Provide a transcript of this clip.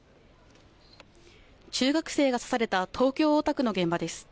中学生が刺された東京大田区の現場です。